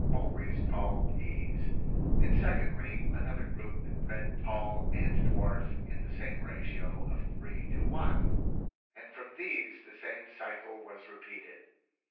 always tall peas ; and secondly, another group that bred tall and dwarf in the same ratio of three to one ; and from these the same cycle was repeated.